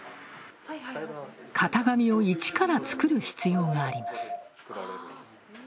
型紙を一から作る必要があります。